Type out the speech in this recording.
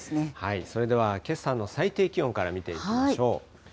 それではけさの最低気温から見てみましょう。